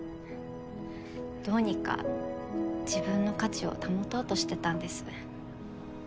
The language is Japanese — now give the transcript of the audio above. どうにか自分の価値を保とうとしてたんです。